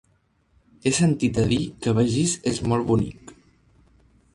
He sentit a dir que Begís és molt bonic.